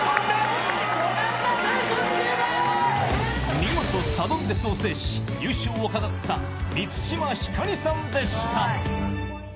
見事サドンデスを制し、優勝を飾った満島ひかりさんでした。